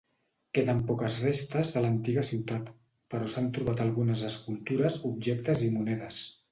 Queden poques restes de l'antiga ciutat, però s'han trobat algunes escultures, objectes i monedes.